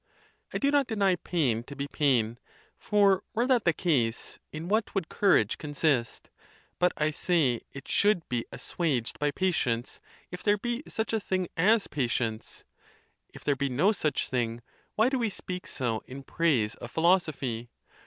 I do not deny pain to be pain—for were that the case, in what would courage consist ?—but I say it should be as suaged by patience, if there be such a thing as patience: if there be no such thing, why do we speak so in praise of philosophy